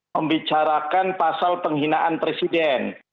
membicarakan pasal penghinaan presiden